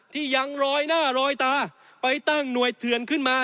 ที่ยังรอยหน้ารอยตาไปตั้งหน่วยเถื่อนขึ้นมา